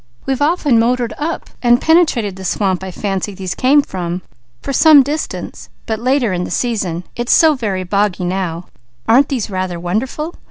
We've often motored up and penetrated the swamp I fancy these came from, for some distance, but later in the season; it's so very boggy now. Aren't these rather wonderful?"